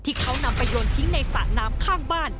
ที่เขานำไปโยนทิ้งในสระน้ำข้างบ้าน